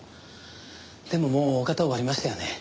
でももうおおかた終わりましたよね？